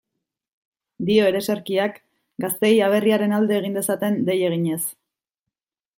Dio ereserkiak, gazteei aberriaren alde egin dezaten dei eginez.